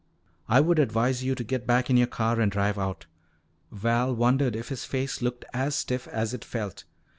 "I would advise you to get back in your car and drive out." Val wondered if his face looked as stiff as it felt.